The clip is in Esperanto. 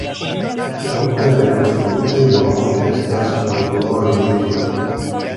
Multaj rekonstruitaj domoj estas por dua loĝejo.